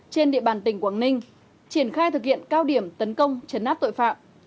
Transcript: trên địa bàn tỉnh quảng ninh triển khai thực hiện cao điểm tấn công chấn áp tội phạm